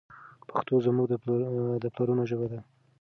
پښتو زموږ د پلرونو ژبه ده.